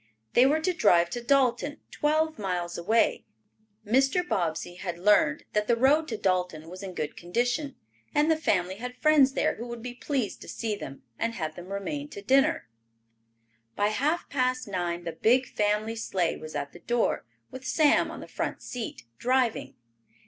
They were to drive to Dalton, twelve miles away. Mr. Bobbsey had learned that the road to Dalton was in good condition, and the family had friends there who would be pleased to see them and have them remain to dinner. By half past nine the big family sleigh was at the door, with Sam on the front seat, driving.